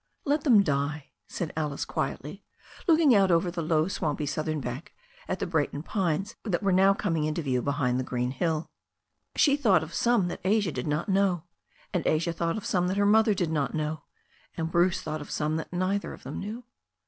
"Let them die," said Alice quietly, looking out over the low swampy southern bank at the Brayton pines that were now coming into view behind the green hill. She thought of some that Asia did not know, and Asia thought of some that her mother did not know, and Bruce thought of some that neither of them knew.